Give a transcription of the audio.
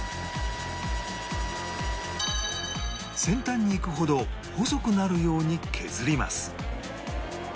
先端にいくほど細くなるように削ります